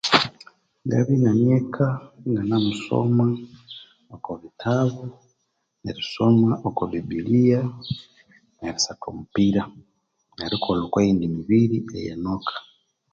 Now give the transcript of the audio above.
Ngabya inganeka inganemusoma oko bitabu neri soma okwa bibiliya neri satha omupira nerikolha okwa yindi mibiri eye noka